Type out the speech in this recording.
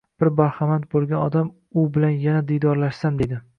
bir bahramand bo’lgan odam “U bilan yana diydorlashsam…” deydi